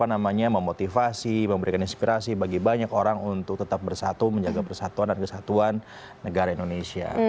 namanya memotivasi memberikan inspirasi bagi banyak orang untuk tetap bersatu menjaga persatuan dan kesatuan negara indonesia